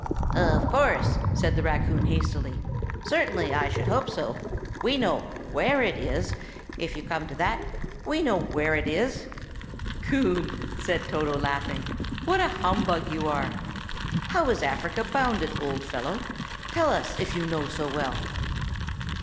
"Of course," said the raccoon hastily; "certainly, I should hope so! We know where it is; if you come to that, we know where it is." "Coon," said Toto, laughing, "what a humbug you are! How is Africa bounded, old fellow? Tell us, if you know so well."